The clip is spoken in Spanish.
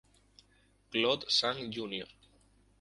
Claude Sang Jr.